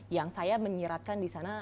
yang saya menyiratkan di sana